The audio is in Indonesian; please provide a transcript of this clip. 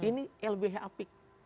ini lbh apik